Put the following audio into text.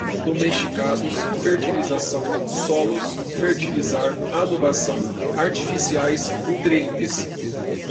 domesticados, fertilização, solos, fertilizar, adubação, artificiais, nutrientes